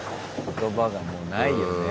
言葉がもうないよね。